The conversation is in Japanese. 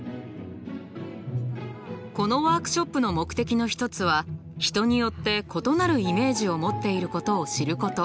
このワークショップの目的の一つは人によって異なるイメージを持っていることを知ること。